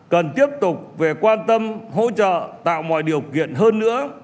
cần tiếp tục về quan tâm hỗ trợ tạo mọi điều kiện hơn nữa